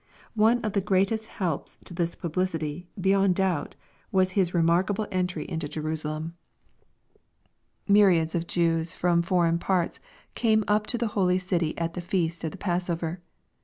One Of the greatest helps to tnia publicity, beyond doubt, was His remarkable entry into Jerusa LUKE, CHAP. XIX. 818 Icm. Myriads of Jews fron* foreign parts came up to tlie holy city at the feast of the passover.